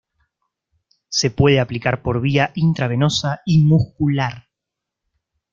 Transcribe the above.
Se puede aplicar por vía intravenosa y muscular.